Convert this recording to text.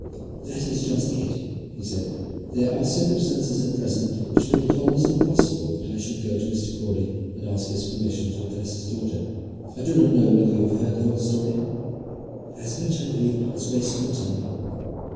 "That is just it," he said. "There are circumstances at present which make it almost impossible that I should go to Mr. Crawley and ask his permission to address his daughter. I do not know whether you have heard the whole story?" "As much, I believe, as Grace could tell me."